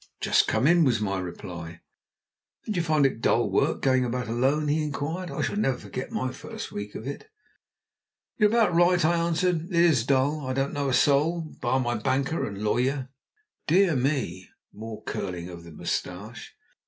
"Just come in," was my reply. "Don't you find it dull work going about alone?" he inquired. "I shall never forget my first week of it." "You're about right," I answered. "It is dull! I don't know a soul, bar my banker and lawyer." "Dear me!" (more curling of the moustache).